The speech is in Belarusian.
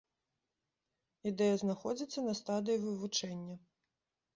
Ідэя знаходзіцца на стадыі вывучэння.